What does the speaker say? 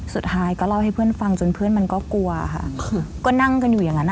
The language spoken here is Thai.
สุดท้ายก็เล่าให้เพื่อนฟังจนเพื่อนมันก็กลัวค่ะก็นั่งกันอยู่อย่างนั้นอ่ะ